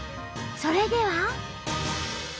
それでは。